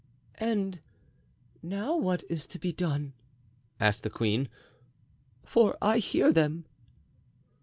"And now what is to be done?" asked the queen, "for I hear them."